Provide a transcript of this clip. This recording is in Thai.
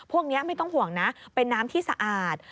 พวกนี้ไม่ต้องห่วงนะเป็นน้ำที่สะอาด